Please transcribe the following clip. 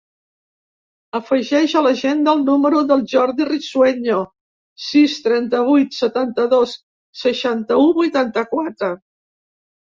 Afegeix a l'agenda el número del Jordi Risueño: sis, trenta-vuit, setanta-dos, seixanta-u, vuitanta-quatre.